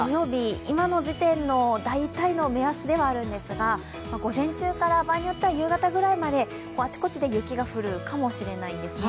今の時点の大体の目安ではあるんですが午前中から、場合によっては夕方ぐらいまで、あちこちで雪が降るかもしれないんですね。